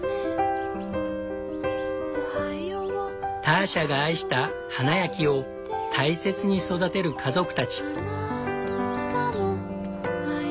ターシャが愛した花や木を大切に育てる家族たち。